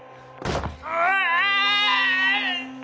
うわ！